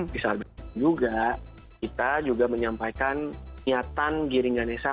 di samping juga kita juga menyampaikan niatan giring ganesa